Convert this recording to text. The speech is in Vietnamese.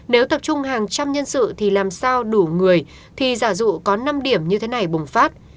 nếu tập trung hàng trăm nhân sự thì làm sao đủ người thì giả dụ có năm điểm như thế này bùng phát